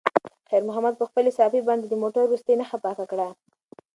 خیر محمد په خپلې صافې باندې د موټر وروستۍ نښه پاکه کړه.